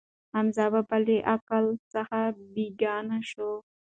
حمزه بابا له عقل څخه بېګانه شو.